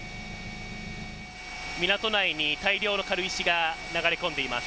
港内に大量の軽石が流れ込んでいます。